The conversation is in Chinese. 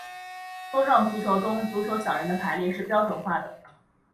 桌上足球中足球小人的排列是标准化的。